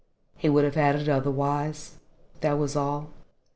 He would have had it otherwise that was all.